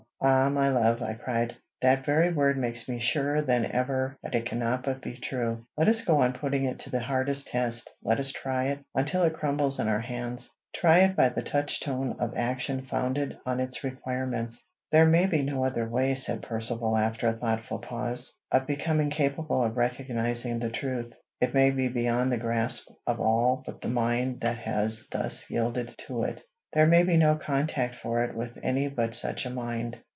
"Ah, my love!" I cried, "that very word makes me surer than ever that it cannot but be true. Let us go on putting it to the hardest test; let us try it until it crumbles in our hands, try it by the touchstone of action founded on its requirements." "There may be no other way," said Percivale, after a thoughtful pause, "of becoming capable of recognizing the truth. It may be beyond the grasp of all but the mind that has thus yielded to it. There may be no contact for it with any but such a mind.